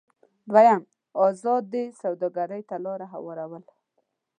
دویم: ازادې سوداګرۍ ته لار هوارول.